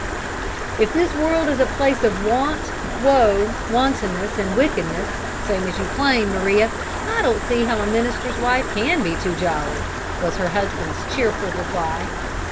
"If this world is a place of want, woe, wantonness, an' wickedness, same as you claim, Maria, I don't see how a minister's wife can be too jolly!" was her husband's cheerful reply.